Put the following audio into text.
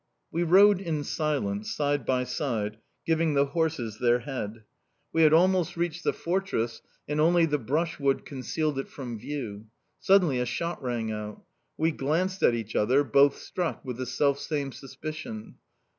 "We rode in silence, side by side, giving the horses their head. We had almost reached the fortress, and only the brushwood concealed it from view. Suddenly a shot rang out... We glanced at each other, both struck with the selfsame suspicion...